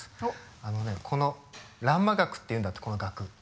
あのねこの欄間額っていうんだってこの額。